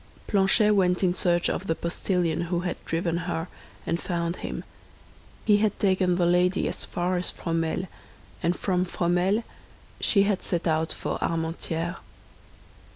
Planchet went in search of the postillion who had driven her, and found him. He had taken the lady as far as Fromelles; and from Fromelles she had set out for Armentières.